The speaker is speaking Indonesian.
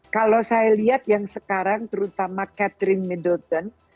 kalau saya lihat yang sekarang terutama catherine middleton